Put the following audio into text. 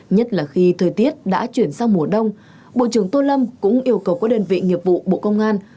nhất là khi thời tiết đã chuyển sang mùa đông bộ trưởng tô lâm cũng yêu cầu các đơn vị nghiệp vụ bộ công an